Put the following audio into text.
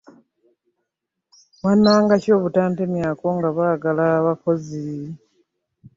Wannanga ki obutantemyako nga baagala abakozi?